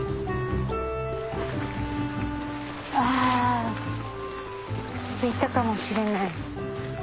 あ着いたかもしれない。